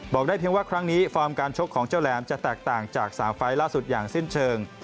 ได้เพียงว่าครั้งนี้ฟอร์มการชกของเจ้าแหลมจะแตกต่างจาก๓ไฟล์ล่าสุดอย่างสิ้นเชิง